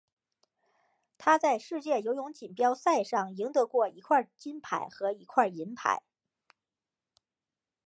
他在世界游泳锦标赛上赢得过一枚金牌和一枚银牌。